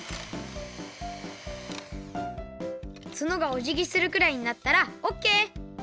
つのがおじぎするくらいになったらオッケー！